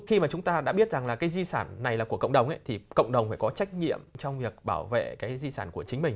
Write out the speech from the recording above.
khi mà chúng ta đã biết rằng là cái di sản này là của cộng đồng thì cộng đồng phải có trách nhiệm trong việc bảo vệ cái di sản của chính mình